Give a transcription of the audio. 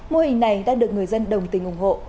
mô hình này đang được người dân đồng tình ủng hộ